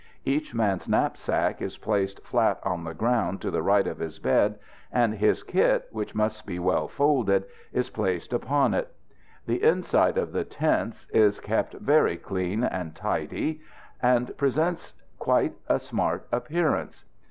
Each man's knapsack is placed flat on the ground to the right of his bed, and his kit, which must be well folded, is placed upon it. The inside of the tents is kept very clean and tidy, and presents quite a smart appearance.